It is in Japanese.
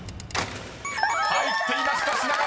［入っていました「品川」